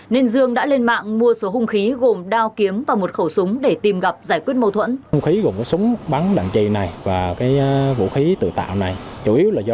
nên dương đã lên mạng mua số hung khí gồm đao kiếm và một khẩu súng để tìm gặp giải quyết mâu thuẫn